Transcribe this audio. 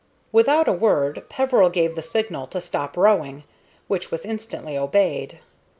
Without a word Peveril gave the signal to stop rowing, which was instantly obeyed.